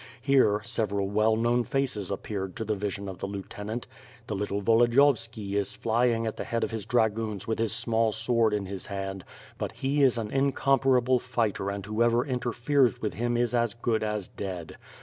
Here, several well known faces appeared to the vision of the lieutenant. The little Volodiyovski is flying at the head of his dragoons with his small sword in his hand, but he is an incomparable fighter and whoever interferes with him is as good as dead.